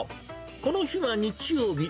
この日は日曜日。